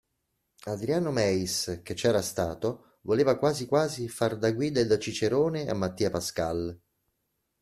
Adriano Meis, che c'era stato, voleva quasi quasi far da guida e da cicerone a Mattia Pascal.